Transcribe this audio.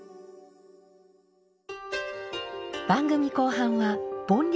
番組後半は盆略